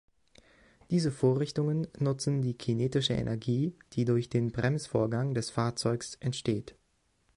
Diese Vorrichtungen nutzen die kinetische Energie, die durch den Bremsvorgang des Fahrzeugs entsteht.